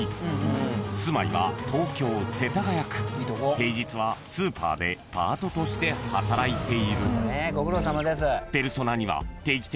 ［平日はスーパーでパートとして働いている］